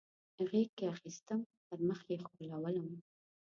غیږ کې اخیستم پر مخ یې ښکلولم